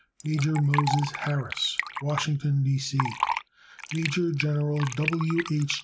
Major Moses Harris, Washington, D. C. Maj. Gen. W. H.